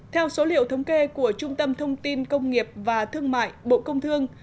theo số liệu thống kê của trung tâm thông tin công nghiệp và thương mại bộ công thương